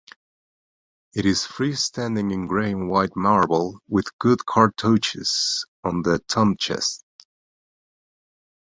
It is free-standing in grey and white marble with good cartouches on the tomb-chest.